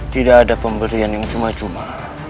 tidak ada pemberian yang cuma cuma